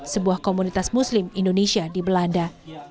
sebuah komunitas muslim indonesia di belanda